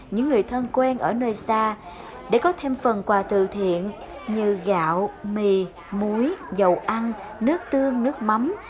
những người thân quen ở nơi xa để có thêm phần quà từ thiện như gạo mì muối dầu ăn nước tương nước mắm